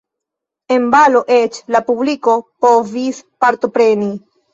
En balo eĉ la publiko povis partopreni.